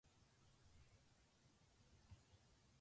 扉をつきやぶって室の中に飛び込んできました